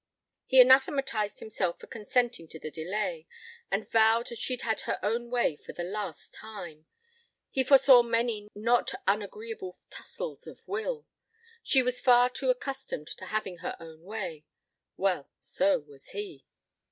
He anathematized himself for consenting to the delay, and vowed she'd had her own way for the last time, He foresaw many not unagreeable tussles of will. She was far too accustomed to having her own way. Well, so was he.